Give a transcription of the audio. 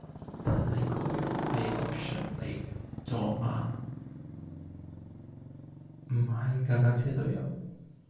但係嗰樣係 option 嚟咋嘛，唔係架架車都有